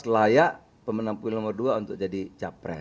pantas layak pemenang pemiliu nomor dua untuk jadi capres